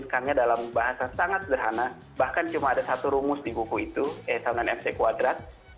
karena dalam bahasa sangat sederhana bahkan cuma ada satu rumus di buku itu esonon fc kuadrat